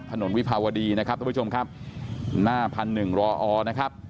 วิภาวดีนะครับทุกผู้ชมครับหน้าพันหนึ่งรออนะครับ